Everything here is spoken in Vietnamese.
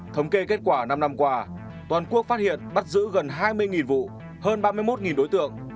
thống kê kết quả năm năm qua toàn quốc phát hiện bắt giữ gần hai mươi vụ hơn ba mươi một đối tượng